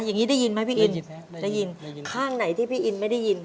อย่างนี้ได้ยินไหมพี่อินได้ยินข้างไหนที่พี่อินไม่ได้ยิน